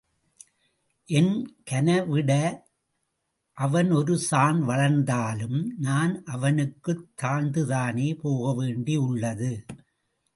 என் கனவிட அவன் ஒரு சாண் வளர்ந்தாலும் நான் அவனுக்குத் தாழ்ந்துதானே போக வேண்டியுள்ளது?